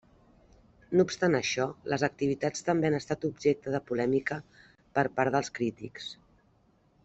No obstant això, les activitats també han estat objecte de polèmica per part dels crítics.